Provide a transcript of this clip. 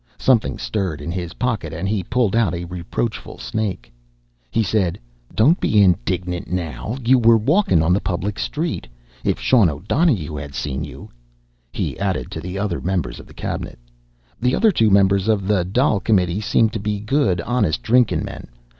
Something stirred in his pocket and he pulled out a reproachful snake. He said: "Don't be indignant, now! You were walkin' on the public street. If Sean O'Donohue had seen you " He added to the other members of the cabinet: "The other two members of the Dail Committee seem to be good, honest, drinkin' men.